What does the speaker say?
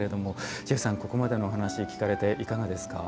ジェフさん、ここまでのお話聞かれていかがですか。